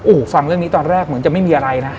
โอ้โหฟังเรื่องนี้ตอนแรกเหมือนจะไม่มีอะไรนะ